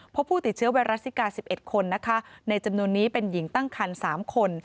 พบผู้ติดเชื้อไวรัสซิกา๑๑คนนะคะในจำนวนนี้เป็นหญิงตั้งคัน๓คน